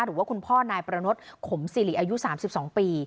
หรือว่าคุณพ่อนายประนดขมสิริอายุ๓๒ปี